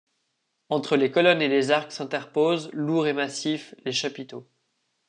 Entre les colonnes et les arcs s'interposent, lourds et massifs, les chapiteaux.